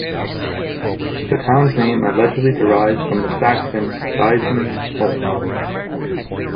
The town's name allegedly derives from the Saxon "Seizmond's Home".